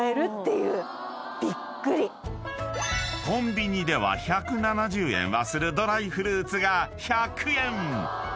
［コンビニでは１７０円はするドライフルーツが１００円！］